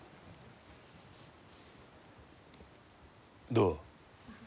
どう？